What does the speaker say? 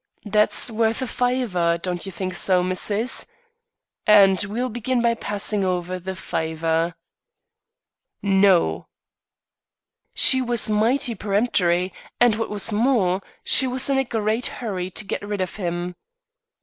That's worth a fiver. Don't you think so, missus? And we'll begin by passing over the fiver." "No." She was mighty peremptory and what was more, she was in a great hurry to get rid of him.